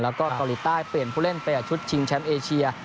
แล้วก็เกาหลีใต้เปลี่ยนผู้เล่นไปกับชุดชิงแชมป์เอเชีย